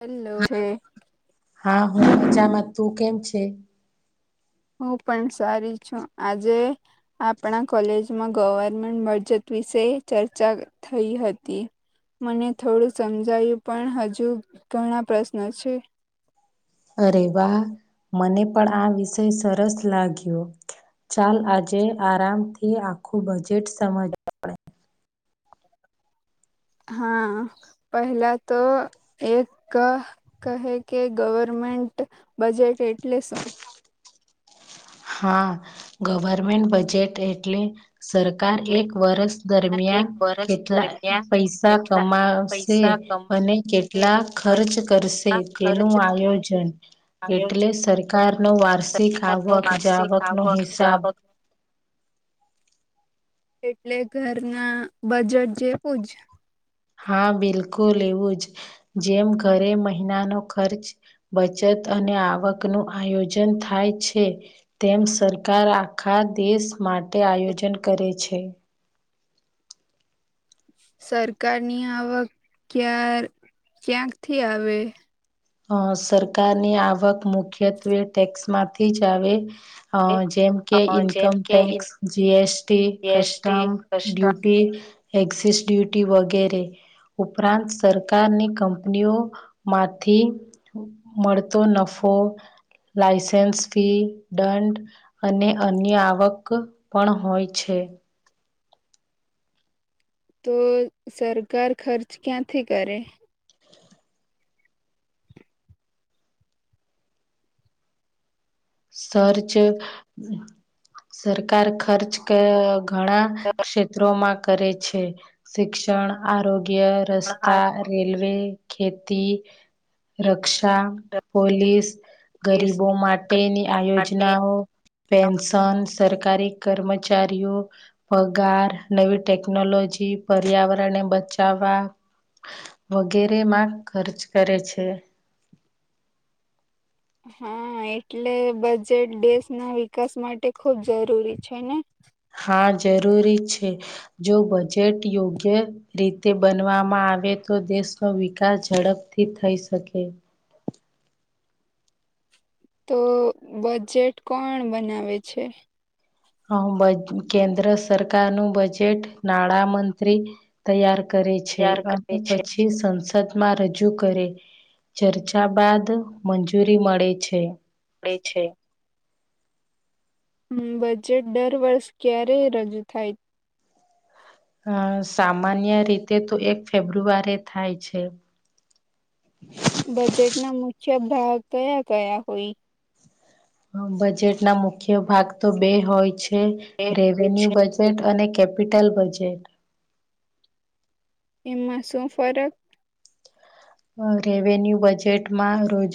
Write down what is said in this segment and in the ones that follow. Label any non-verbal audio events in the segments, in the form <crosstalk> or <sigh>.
Hello. હા મજામાં તું કેમ છે. હું પણ સારી છું આજે આપણા કોલેજમાં. ગવર્મેન્ટ મજત વિશે ચર્ચા થઈ હતી. મને થોડું સમજાયું પણ હજુ ઘણા પ્રશ્ન છે. અરે વાહ મને પણ આ વિષય સરસ લાગ્યો. ચાલ આજે આરામથી આખું બજેટ સમજ. <inaudible> હા, પહેલા તો એક કહે કે ગવર્મે. ન્ટ બજેટ એટલે શું. હા ગવર્મેન્ટ બજેટ એટલે. સરકાર એક વર્ષ દરમિયાન એક વર્ષ કેટલા દરમિયાન પૈસા કેટલા કમાશે. પૈસા કમાય અને કેટલા ખર્ચ બનેલા કરશે ખર્ચ તેનું આયોજન. આયોજન એટલે સરકારનો વાર્ષિક સરકાર ન આવક. વાર્ષિક જાવક નો આવક હિસાબ. જાવક એટલે ઘરના બજેટ જેવું જ. હા બિલકુલ એવું જ જેમ ઘરે મહિનાનો ખર્ચ બચત અને આવક નું આયોજન થાય છે તેમ સરકાર આખા દેશ માટે આયોજન કરે છે સરકારની આવક ક્યા ક્યાંકથી આવે અ સરકારની આવક મુખ્યત્વે ટેક્સ માંથી જ આવે અ જેમ કે જેમ ઇન્કમ કે tax GST GST custom custom duty excise duty વગેરે ઉપરાંત સરકારની કંપનીઓમાં થી મળતો નફો લાયસન્સ ફી દંડ અને અન્ય આવક પણ હોય છે હ તો સરકાર ખર્ચ ક્યાંથી કરે ખર્ચ સર સરકાર ખર્ચ ઘણા ક્ષેત્રોમાં કરે છે શિક્ષણ આરોગ્ય ગ્ય રસ્તા રેલ્વે ખેતી રક્ષા પોલીસ ગરીબો મા ટે ની માટે આયોજનાઓ પેન્શન્સ સરકારી કર્મચારીઓ પગાર નવી ટેકનોલોજી પર્યાવરણ ને બચાવવા વગેરે માં ખર્ચ કરે છે <inaudible> હા એટલે બજેટ દેશના વિકાસ માટે ખુબ જરૂરી છે ને હા જરૂરી છે જો બજેટ યોગ્ય રીતે બનવામાં આવે તો તો દેશનો વિકાસ ઝડપથી થઈ શકે તો બજેટ કોણ બનાવે છે અ બ કેન્દ્ર સરકાર નું બજેટ નાણા મંત્રી તૈયાર કરે છે તૈયાર અને કરે છે પછી સંસ સદમાં રજૂ કરે ચર્ચા બાદ મંજૂરી મળે છે મળે છે બજેટ દર વર્ષ ક્યારે રજૂ થાય અ સામાન્ય રીતે તો એક ફેબ્રુઆરી થાય છે બજેટના મુખ્ય ભાગ કયા કયા હોય બજેટ ના મુખ્ય ભાગ તો બે હોય છે એ હોય રેવન્યુ છે બજેટ અને કેપિટલ બજેટ એમાં શું ફરક રેવન્યુ બજેટમાં રોજ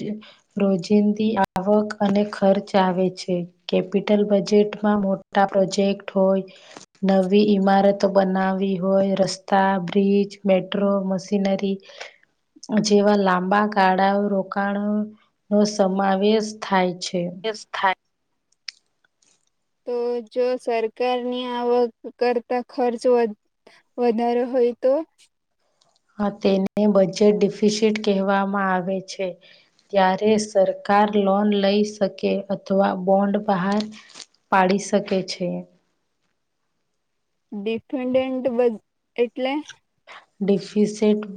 રોજિંદી આવક અને ખર્ચ આવે આવે છે કેપિટલ બજેટમાં મોટા પ્રોજેક્ટ હોય નવી ઈમારત બનાવી હોય રસ્તા બ્રિજ મેટ્રો મશીનરી જેવા લાંબા ગાળાઓ રોકાણો નો સમાવેશ થાય છે <inaudible> તો જો સરકારની આવક કરતા ખર્ચ વધારો હોય હોઈ તો હ તેને બજેટ ડિફિશિટ કહેવામાં આવે છે ત્યારે સરકાર કાર લોન લઈ શકે અથવા બોન્ડ બહાર પાડી શકે છે ડિફેન્ડન્ટ બ એટલે ડિફિસેટ બ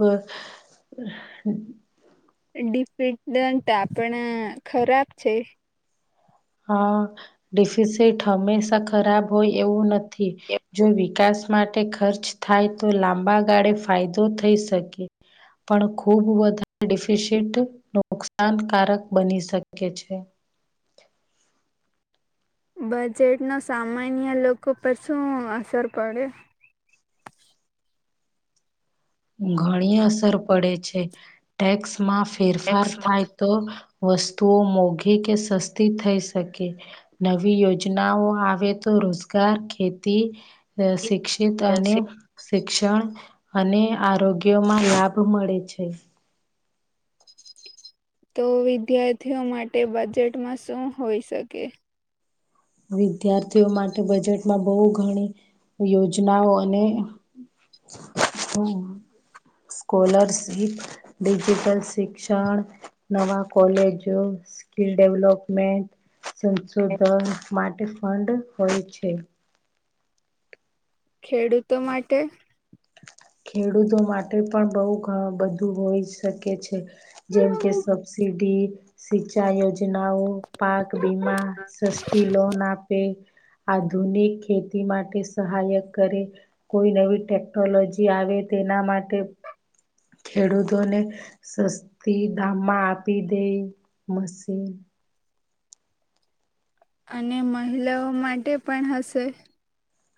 <unintelligible> આપણા ખરાબ છે હા ડિફિસટ હંમેશા ખરાબ હોય એવું નથી જો વિકાસ માટે ખર્ચ થાય તો લાંબા ગાળે ફાયદો થઈ શકે પણ ખુબ વધારે <unintelligible> નુકસાનકારક બની શકે છે બજેટ નો સામાન્ય લોકો પર શું અસર પડે <inaudible> ઘણી અસર પડે છે ટેક્સમાં ફેરફાર થાય તો વસ્તુઓ મોઘી કે સસ્તી થઈ શકે નવી યોજનાઓ આવે તો રોજગાર ખેતી અ ટેક્સમાંથી શિક્ષિત અને શિક્ષણ અને આરોગ્યમાં લાભ મળે છે તો વિદ્યાર્થીઓ માટે બજેટમાં શું હોઈ શકે વિદ્યાર્થીઓ માટે બજેટમાં બો ઘણી યોજનાઓ અને હમ સ્કોલરશિપ ડિજિટલ શિક્ષણ નવા કોલેજો સ્કીલ ડેવલોપમેન્ટ સંશોધન માટે ફંડ હોય છે ખેડૂતો માટે ખેડૂતો માટે પણ બોઉ ઘ બધું હોઈ શકે છે જેમ કે સબસિડી સિચાઈ યોજના યોજનાઓ પાક બીમા સસ્તી લોન આપે <inaudible> આધુનિક ખેતી માટે સહાયક કરે. કોઈ નવી ટેક ટેકનોલોજી આવે તેના માટે ખેડૂતોને સસ્તી દામમાં આપી દે મશીન <unintelligible> અને મહિલાઓ માટે પણ હશે.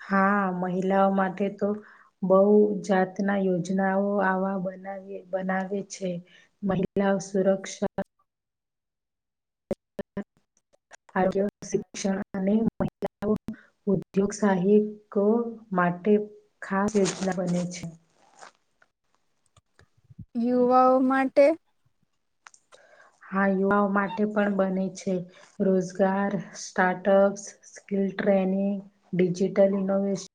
હા, મહિલાઓ માટે તો બો જાતના યોજનાઓ આવે. બને બનાવે છે. મહિલાઓ સુરક્ષા <inaudible> ભાગ્ય શિક્ષણ અને મહિલાઓ ઉદ્યોગ સાહિકો માટે ખાસ યોજના બને છે. <inaudible> યુવાઓ માટે? હા, યુવાઓ માટે પણ બને છે. રોજગાર સ્ટાર્ટઅપ્સ ટ્રેનિગ, ડિજિટલ ઇનોવેશન,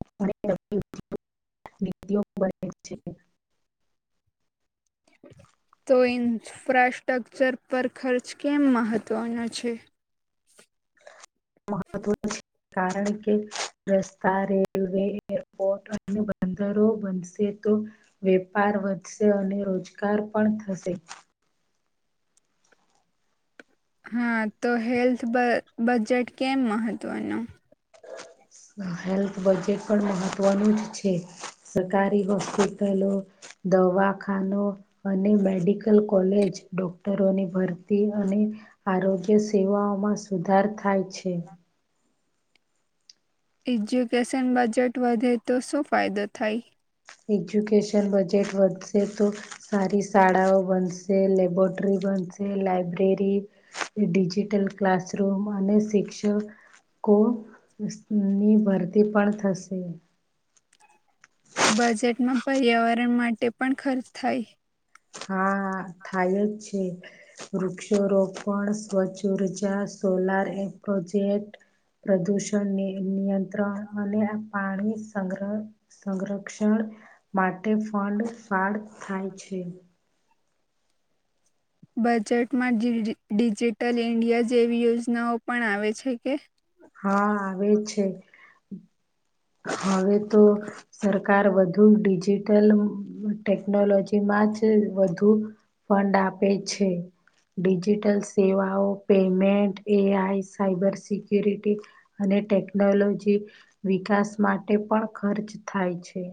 <unintelligible> બને છે. તો ઇન્ફ્રાસ્ટ્રક્ચર પર ખર્ચ કેમ મહત્વનો છે? મહત્વનું છે, કારણ કે રસ્તા, રેલવે, એરપોર્ટ અંદરો બનશે તો વેપાર વધશે અને રોજગાર પણ થશે. હા, તો હેલ્થ બજેટ કેમ મહત્વનું? હેલ્થ બજેટ પણ મહત્વનું જ છે, સરકારી હોસ્પિટલો દવાખાનો અને મેડિકલ, કોલેજ ડોક્ટરોની ભરતી અને આરોગ્ય સેવાઓમાં સુધાર થાય છે. એજ્યુકેશન બજેટ વધે, તો શું ફાયદો થાય? એજ્યુકેશન બજેટ વધશે તો સારી શાળાઓ બનશે, લેબોરેટરી બ લાયબ્રેરી, ડિજિટલ ક્લાસરૂમ અને શિક્ષક કો ની ભરતી પણ થશે. બજેટમાં પર્યાવરણ માટે પણ ખર્ચ થાય. હા, થાય જ છે, વૃક્ષારોપણ, સ્વચઉર્જા સોલાર એ પ્રોજેક્ટ પ્રદૂષણ નિયંત્રણ અને પાણી સંગ્રહ-સંરક્ષણ માટે ફંડ ફાળ થાય છે. બજેટમાં ડિજિટલ ઇન્ડિયા જેવી યોજનાઓ પણ આવે છે. કે? હા, આવે છે હવે, તો સરકાર વધુ ડિજિટલ ટેકનોલોજીમાં પાચ વધુ ફંડ આપે છે. ડિજિટલ સેવાઓ, payment A I cyber security અને અને ટેકનોલોજી વિકાસ માટે પણ ખર્ચ થાય છે.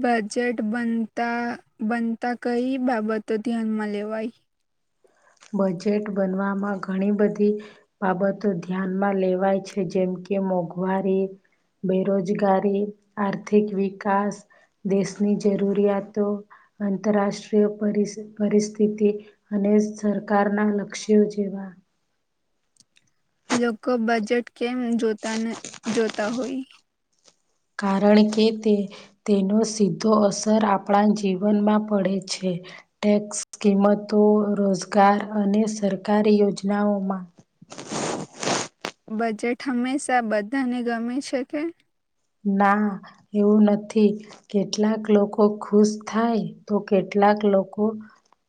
બજેટ બનતા-બનતા કઈ બાબતો ધ્યાનમાં લેવાય બજેટ બનવામાં ઘણી બધી બાબતો ધ્યાનમાં લેવાય છે, જેમ કે મોંઘવારી, બેરોજગારી, આર્થિક વિકાસ, દેશની જરૂરિયાતો, આંતરરાષ્ટ્રીય પરિસ્થિતિ અને સરકારના લક્ષ્યો જેવા. લોકો બજેટ કેમ જોતા હોય? કારણ કે, તે તેનો સીધો અસર આપણા જીવનમાં પડે છે. ટેક્સ કિંમતો, રોજગાર અને સરકારી યોજનાઓમાં બજેટ હંમેશા બધાને ગમે છે. ના, એવું નથી કેટલાક લોકો ખુશ થાય, તો કેટલું કેટલાક લોકો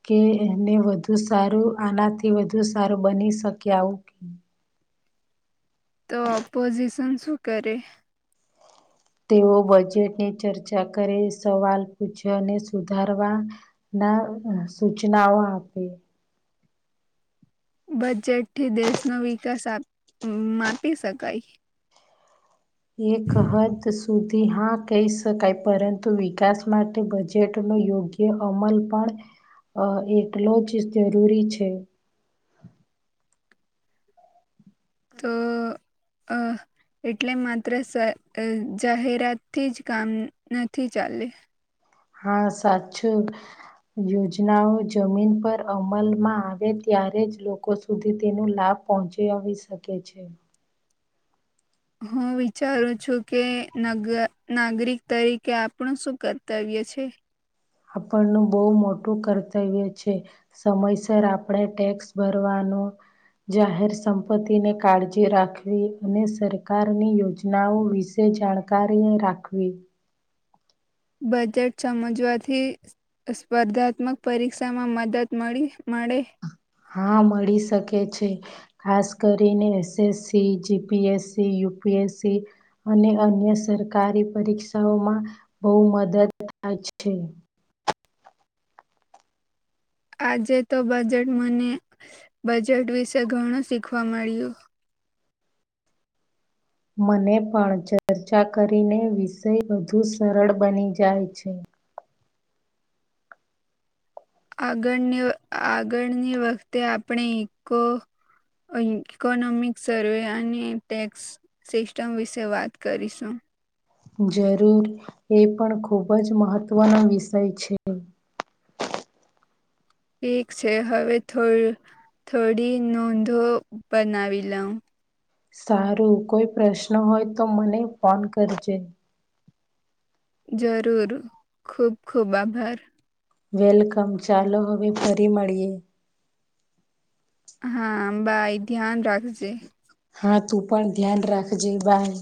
કે એને વધુ સારું આનાથી વધુ સારું બની શક આવું કે તો પોઝિશન શું કરે તેઓ બજેટની ચર્ચા કરે સવાલ પૂછવા અને સુધારવા ના સૂચનાઓ આપે બજેટથી દેશનો વિકાસ માપી શકાય એક હદ સુધી હા કહી શકાય પરંતુ વિકાસ માટે બજેટ નો યોગ્ય અમલ પણ એટલો જ જરૂરી છે તો અ એટલે માત્ર જાહેરાતથી જ કામ નથી ચાલે હા સાચું યોજનાઓ જમીન પર અમલમાં આવે ત્યારે જ લોકો સુધી તેનો લાભ પહોચી આવી શકે છે હું વિચારું છું કે નાગરિક તરીકે આપણું શું કર્તવ્ય ગ છે આપણનું બહુ મોટું કર્તવ્ય છે સમયસર આપણે ટેક્સ ભરવાનું ન જાહેર સંપત્તિને કાળજી રાખવી અને સરકારની યોજનાઓ વિશે જાણકારીએ રાખવી બજેટ સમજવાથી સ્પર્ધાત્મક પરીક્ષામાં મદદ મળી મળડે હા મળી શકે છે ખાસ કરીને એસએસસી જીપીએસસીયુ યુપીએસસી અને અન્ય સરકારી પરીક્ષાઓમાં બહુ મદદ અચછી આજે તો બજેટ મને બજેટ વિશે ઘણું શીખવા મળ્યું મને પણ ચર્ચા કરીને વિષય વધુ સરળ બની જાય છે આગળની આગળની વખતે આપણે કો ઇકોનોમિક સર્વે અને ટેક્સ સિસ્ટમ વિશે વાત કરીશું જરૂર એ પણ ખૂબ જ મહત્વનો વિષય છે ઠીક છે હવે થોડું થોડી નોંધો બનાવી લઉ સારું કોઈ પ્રશ્ન હોય તો મને ફોન કરજે જરૂર ખુબ ખુબ આભાર વેલકમ ચાલો હવે ફરી મળીએ હા અબ એ ધ્યાન રાખજે હા તું પણ ધ્યાન રાખજે બાય